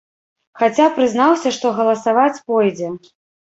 Хаця прызнаўся, што галасаваць пойдзе.